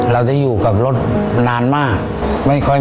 เราจะอยู่กับรถนานมาก